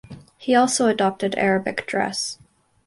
He also adopted Arabic dress.